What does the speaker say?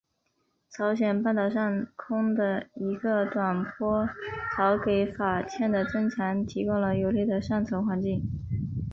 朝鲜半岛上空的一个短波槽给法茜的增强提供了有利的上层环境。